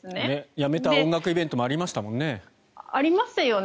やめた音楽イベントもありましたよね。